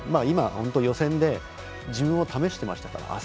今、本当、予選で自分を試してましたから。